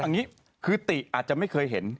อย่างนี้คือติอาจจะไม่เคยเห็น